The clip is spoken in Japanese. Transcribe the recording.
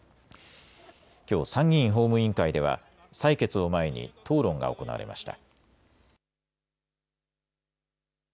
きょう参議院法務委員会では採決を前に討論が行われました。